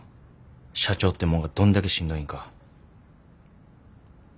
社長ってもんがどんだけしんどいんか。